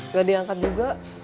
gak diangkat juga